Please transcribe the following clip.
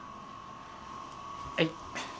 はい。